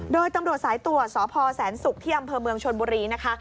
โดยตำรวจสายตรวจสพแสนศุกร์ที่อำเภอเมืองชนบุรีนะคะ